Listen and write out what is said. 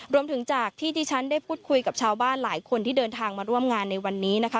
จากที่ที่ฉันได้พูดคุยกับชาวบ้านหลายคนที่เดินทางมาร่วมงานในวันนี้นะคะ